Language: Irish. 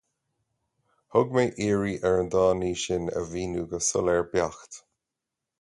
Thug mé iarraidh ar an dá ní sin a mhíniú go soiléir beacht.